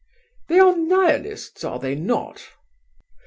"They are Nihilists, are they not?"